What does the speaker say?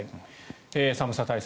寒さ対策